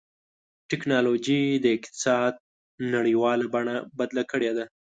ټکنالوجي د اقتصاد نړیواله بڼه بدله کړې ده.